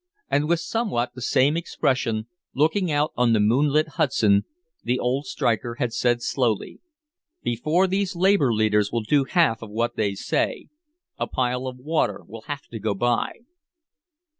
And with somewhat the same expression, looking out on the moonlit Hudson, the old striker had said slowly: "Before these labor leaders will do half of what they say a pile of water will have to go by."